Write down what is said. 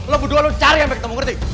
lu berdua cari sampai ketemu ngerti